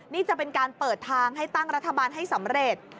นี่จะเป็นการเปิดทางให้ตั้งรัฐบาลให้สำเร็จ